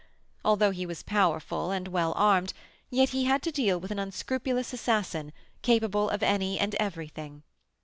Although he was powerful and well armed, yet he had to deal with an unscrupulous assassin, capable of any and every thing.